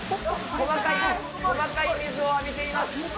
細かい、細かい水を浴びています。